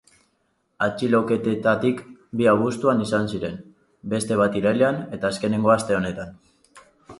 Atxiloketetatik bi abuztuan izan ziren, beste bat irailean eta azkenekoa aste honetan.